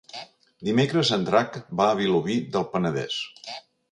Dimecres en Drac va a Vilobí del Penedès.